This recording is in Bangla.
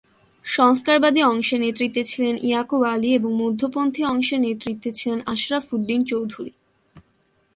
সংস্কারবাদী অংশের নেতৃত্বে ছিলেন ইয়াকুব আলী এবং মধ্যপন্থী অংশের নেতৃত্ব ছিলেন আশরাফ উদ্দীন চৌধুরী।